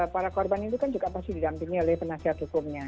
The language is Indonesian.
para korban ini juga pasti didampingi oleh penasihat hukumnya